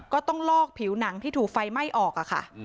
ก็ต้องลอกผิวหนังที่ถูกไฟไหม้ออกค่ะ